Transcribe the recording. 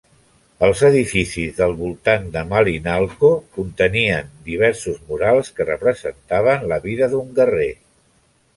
Els edificis del voltant de Malinalco contenien diversos murals que representaven la vida d'un guerrer.